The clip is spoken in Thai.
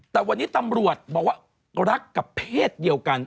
แต่วันนี้ตำรวจบอกว่ารักกับเพศเดียวกัน